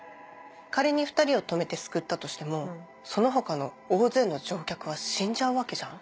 仮に２人を止めて救ったとしてもその他の大勢の乗客は死んじゃうわけじゃん。